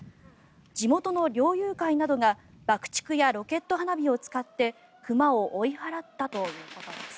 地元の猟友会などが爆竹やロケット花火などを使って熊を追い払ったということです。